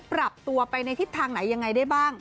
ปรับตัวไปในทิศทางไหนยังไงได้บ้าง